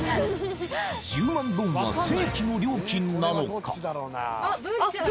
１０万ドンは正規の料金なのか？